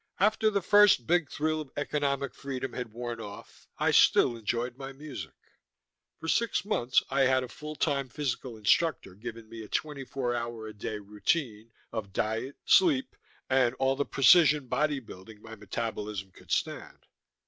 After the first big thrill of economic freedom had worn off, I still enjoyed my music. For six months I had a full time physical instructor giving me a twenty four hour a day routine of diet, sleep, and all the precision body building my metabolism could stand.